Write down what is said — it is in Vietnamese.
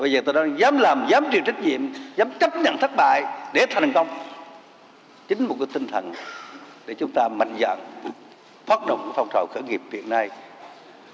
để thành công chính một cái tinh thần để chúng ta mạnh dạng phát động phong trọng khởi nghiệp việt nam